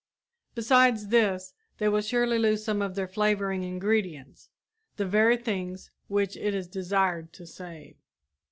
Besides this, they will surely lose some of their flavoring ingredients the very things which it is desired to save.